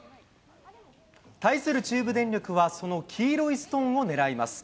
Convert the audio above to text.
対する中部電力はその黄色いストーンを狙います。